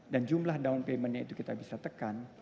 dan jumlah down paymentnya itu kita bisa tekan